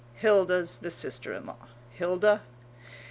Hilda's the sister in law. Hilda?